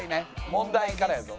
「問題」からやぞ。